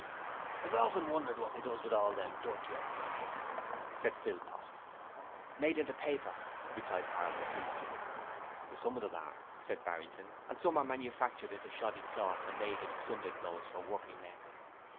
'I've often wondered what they does with all them dirty old rags,' said Philpot. 'Made into paper,' replied Harlow, briefly. 'Some of them are,' said Barrington, 'and some are manufactured into shoddy cloth and made into Sunday clothes for working men.